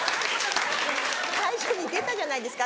最初に出たじゃないですか